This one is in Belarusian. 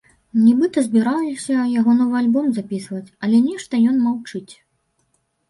Нібыта збіраліся яго новы альбом запісваць, але нешта ён маўчыць.